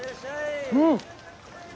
うん！